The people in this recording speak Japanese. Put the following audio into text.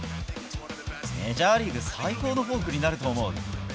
メジャーリーグ最高のフォークになると思う。